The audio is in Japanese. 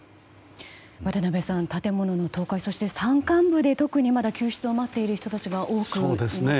渡辺さん、建物の倒壊そして、山間部で特にまだ救出を待っている方が多くいますね。